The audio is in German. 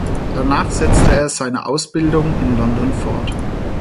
Danach setzte er seine Ausbildung in London fort.